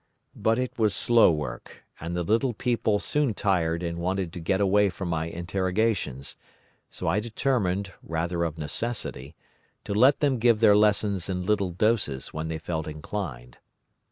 But it was slow work, and the little people soon tired and wanted to get away from my interrogations, so I determined, rather of necessity, to let them give their lessons in little doses when they felt inclined.